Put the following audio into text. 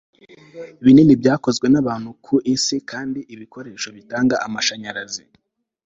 binini byakozwe n'abantu ku isi, kandi ibikoresho bitanga amashanyarazi